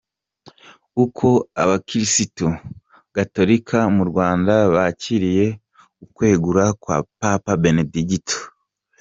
Uko Abakirisitu Gatolika mu Rwanda bakiriye ukwegura kwa Papa Benedigito